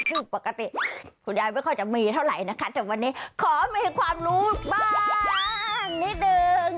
คือปกติคุณยายไม่ค่อยจะมีเท่าไหร่นะคะแต่วันนี้ขอมีความรู้บ้างนิดนึง